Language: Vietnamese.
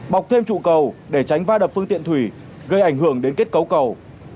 bọc thêm trụ cầu để tránh va đập phương tiện thủy gây ảnh hưởng đến kết cấu cầu